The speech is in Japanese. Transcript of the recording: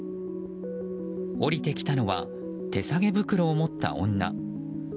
降りてきたのは手提げ袋を持った女。